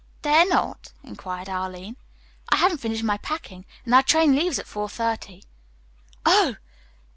"Dare not?" inquired Arline. "I haven't finished my packing, and our train leaves at four thirty. Oh!"